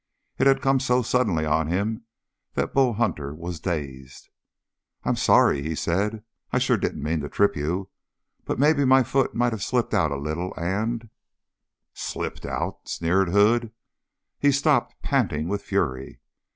It had come so suddenly on him that Bull Hunter was dazed. "I'm sorry," he said. "I sure didn't mean to trip you but maybe my foot might of slipped out a little and " "Slipped out!" sneered Hood. He stopped, panting with fury.